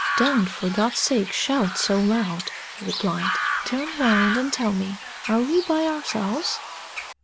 "Don't, for God's sake, shout so loud," he replied. "Turn round and tell me, are we by ourselves?"